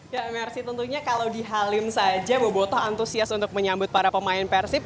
ya mercy tentunya kalau di halim saja boboto antusias untuk menyambut para pemain persib